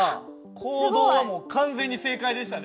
行動は完全に正解でしたね。